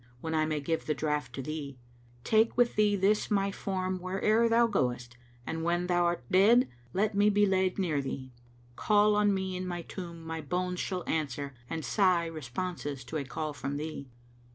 When I may give the draught to thee! Take with thee this my form where'er thou goest, And when thou 'rt dead let me be laid near thee! Call on me in my tomb, my bones shall answer And sigh responses to a call from thee!